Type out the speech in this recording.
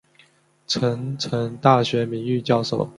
成城大学名誉教授。